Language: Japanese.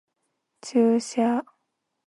注射